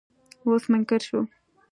اوس منکر شو.